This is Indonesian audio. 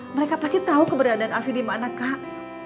mereka pasti tau keberadaan alfie dimana kak